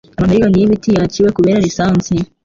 Amamiriyoni y'ibiti yaciwe kubera lisansi.